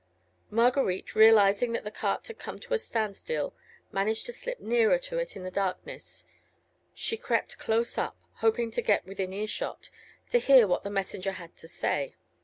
Marguerite, realising that the cart had come to a standstill, managed to slip nearer to it in the darkness; she crept close up, hoping to get within earshot, to hear what the messenger had to say.